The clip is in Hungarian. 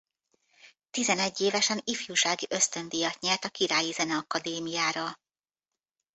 Tizenegy évesen ifjúsági ösztöndíjat nyert a Királyi Zeneakadémiára.